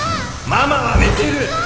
・ママは寝てる！